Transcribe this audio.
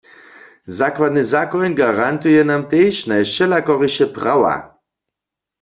Zakładny zakoń garantuje nam tež najwšelakoriše prawa.